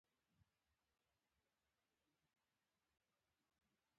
زه تر آخره پوی نه شوم.